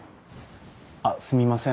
あっすみません。